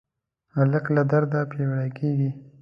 هلک له درده پیاوړی کېږي.